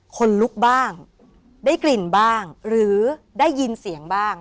คนลุกบ้างได้กลิ่นบ้างหรือได้ยินเสียงบ้าง